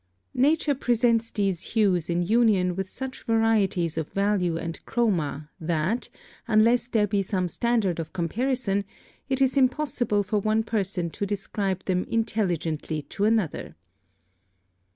Nature presents these hues in union with such varieties of value and chroma that, unless there be some standard of comparison, it is impossible for one person to describe them intelligently to another.